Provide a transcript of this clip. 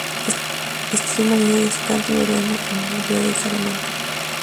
Estudió humanidades, canto y órgano en la Universidad de Salamanca.